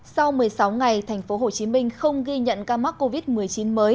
sau một mươi sáu ngày tp hcm không ghi nhận ca mắc covid một mươi chín mới